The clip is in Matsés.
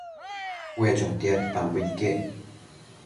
ue chotiadpambo iquec